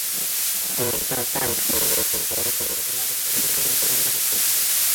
每个战役有多种级别的难度。